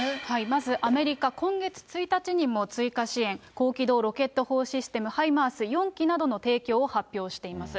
まずアメリカ、今月１日にも追加支援、高機動ロケット砲システム、ハイマース４基などの提供を発表しています。